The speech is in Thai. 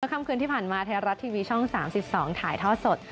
ค่ำคืนที่ผ่านมาไทยรัฐทีวีช่อง๓๒ถ่ายทอดสด